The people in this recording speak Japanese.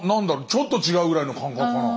ちょっと違うぐらいの感覚かな。